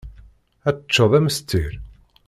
Ad teččed amestir?